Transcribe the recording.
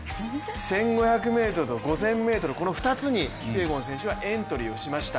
１５００ｍと５０００ｍ、この２つにキピエゴン選手はエントリーをしました。